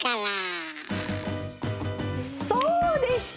そうでした！